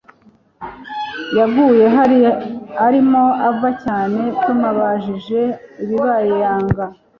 yaguye hari arimo ava cyane tumubajije ibibaye yanga